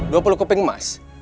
dua puluh keping emas